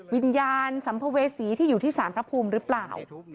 วิญญาณสัมภเวษีที่อยู่ที่สารพระภูมิหรือเปล่า